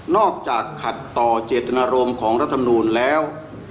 อกจากขัดต่อเจตนารมณ์ของรัฐมนูลแล้ว